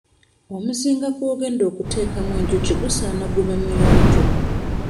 Omuzinga gw'ogenda okuteekamu enjuki gusaana gube muyonjo.